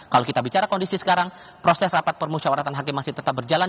kalau kita bicara kondisi sekarang proses rapat permusyawaratan hakim masih tetap berjalan